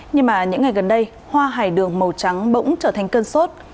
nhưng mà những ngày gần đây hoa hải đường màu trắng bỗng trở thành cơn sốt